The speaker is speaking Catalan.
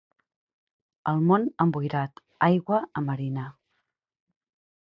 El Mont emboirat, aigua a marina.